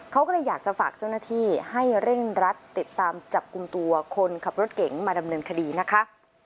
เขาก็เลยอยากจะฝากเจ้าหน้าที่ให้เร่งรัดติดตามจับกลุ่มตัวคนขับรถเก๋งมาดำเนินคดีนะคะ